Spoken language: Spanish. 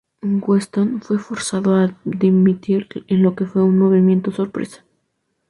Weston fue forzado a dimitir en lo que fue un movimiento sorpresa.